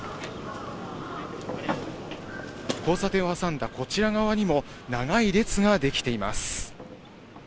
交差点を挟んだこちら側にも、長い列が出来ています。